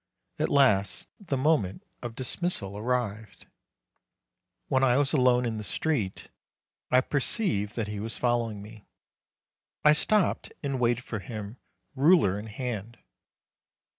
At last the moment of dismissal arrived. When I was alone in the street I perceived that he was follow ing me. I stopped and waited for him, ruler in hand.